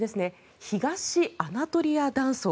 東アナトリア断層